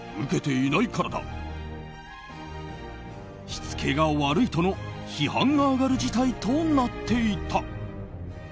しつけが悪いとの批判が上がる事態となっていた。